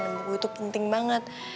dan buku itu penting banget